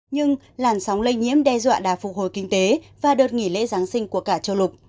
nhưng làn sóng lây nhiễm đe dọa đà phục hồi kinh tế và đợt nghỉ lễ giáng sinh của cả châu lục